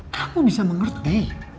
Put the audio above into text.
kamu bisa mengerti